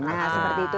nah seperti itu